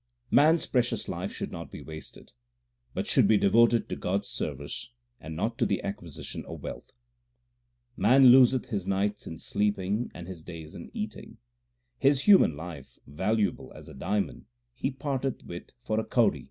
Man s precious life should not be wasted, but should be devoted to God s service and not to the acquisition of wealth : Man loseth his nights in sleeping and his days in eating : His human life, valuable as a diamond, he parteth with for a kauri.